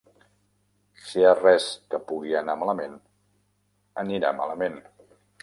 Si hi ha res que pugui anar malament, anirà malament.